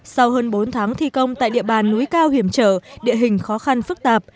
sau hơn bốn tháng thi công tại địa bàn núi cao hiểm trở địa hình khó khăn phức tạp